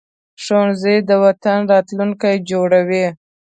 ښوونځی د وطن راتلونکی جوړوي